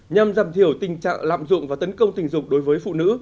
nhằm giảm thiểu tình trạng lạm dụng và tấn công tình dục đối với phụ nữ